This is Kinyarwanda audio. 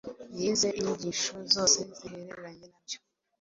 Yize inyigisho zose zihereranye na byo